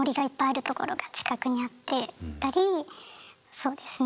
そうですね。